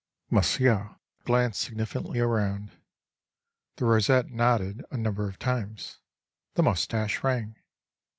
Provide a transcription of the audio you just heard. Monsieur glanced significantly around. The rosette nodded a number of times. The moustache rang.